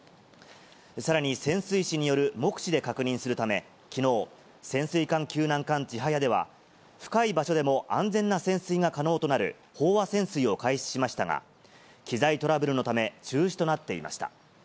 さらに潜水士による目視で確認するため、きのう、潜水艦救難艦ちはやでは、深い場所でも安全な潜水が可能となる飽和潜水を開始しましたが、機材トラブルのため中止となっていました。